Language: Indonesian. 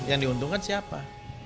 yang diuntungkan siapa